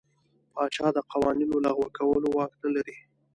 پاچا د قوانینو لغوه کولو واک نه لري.